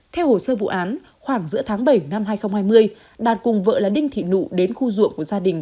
theo hồ sơ vụ án khoảng giữa tháng bảy năm hai nghìn hai mươi đạt cùng vợ là đinh thị nụ đến khu ruộng của gia đình